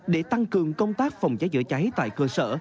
để tăng cường công tác phòng cháy chữa cháy tại cơ sở